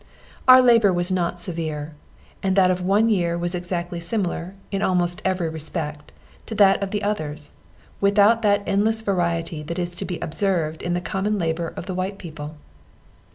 Our labor was not severe; and that of one year was exactly similar, in almost every respect, to that of the others, without that endless variety that is to be observed in the common labor of the white people.